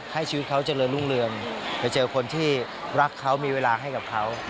ให้ชีวิตเขาเจริญรุ่งเรืองไปเจอคนที่รักเขามีเวลาให้กับเขา